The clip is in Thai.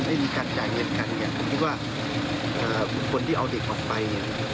ได้มีการจ่ายเงินกันเนี่ยผมคิดว่าบุคคลที่เอาเด็กออกไปเนี่ย